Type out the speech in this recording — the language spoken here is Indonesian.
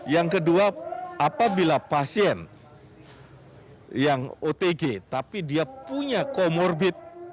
yang kedua apabila pasien yang otg tapi dia punya comorbid